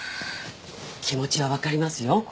気持ちは分かりますよ